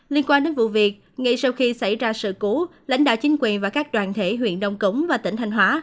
liên quan đến vụ việc ngay sau khi xảy ra sự cứu lãnh đạo chính quyền và các đoàn thể huyện nông cống và tỉnh thành hóa